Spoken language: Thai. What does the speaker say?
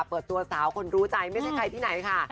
เปิดตัวสาวคนรู้ใจไม่ใช่ใครที่ไหนค่ะ